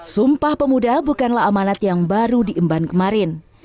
sumpah pemuda bukanlah amanat yang baru diemban kemarin